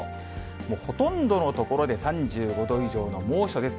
もうほとんどの所で３５度以上の猛暑です。